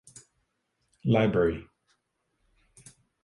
Library.